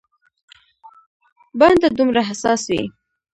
بنده دومره حساس وي.